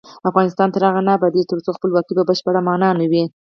افغانستان تر هغو نه ابادیږي، ترڅو خپلواکي په بشپړه مانا وي.